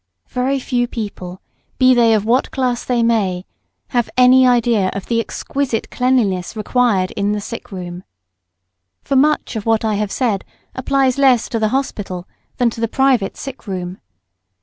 Very few people, be they of what class they may, have any idea of the exquisite cleanliness required in the sick room. For much of what I have said applies less to the hospital than to the private sick room.